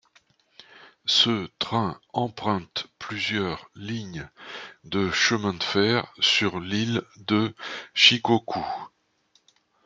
Ce train empreinte plusieurs lignes de chemin de fer sur l'île de Shikoku.